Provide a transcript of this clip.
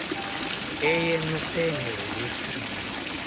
永遠の生命を有する者。